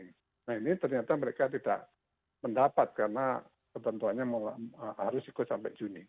nah ini ternyata mereka tidak mendapat karena ketentuannya harus ikut sampai juni